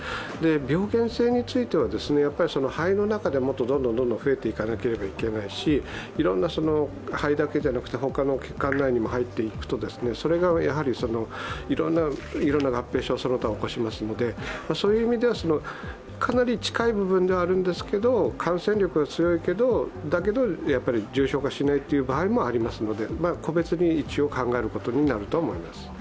病原性については、肺の中でどんどん増えていかなければならないし、いろんな肺だけじゃなくて、ほかの血管内にも入っていくとそれがいろんな合併症その他を起こしますのでそういう意味では、かなり近い部分ではあるんですけど、感染力が強いんだけど、重症化しない場合もありますので個別に一応考えることになると思います。